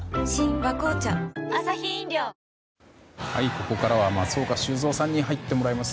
ここからは松岡修造さんに入ってもらいます。